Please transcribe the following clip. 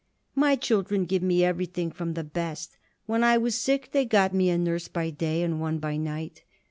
"My children give me everything from the best. When I was sick, they got me a nurse by day and one by night.